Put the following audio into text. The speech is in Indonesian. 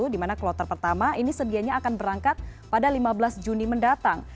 di mana kloter pertama ini sedianya akan berangkat pada lima belas juni mendatang